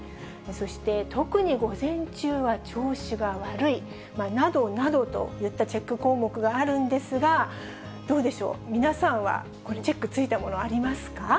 そして特に午前中は調子が悪いなどなどといったチェック項目があるんですが、どうでしょう、皆さんはこれ、河出さん、どうでした？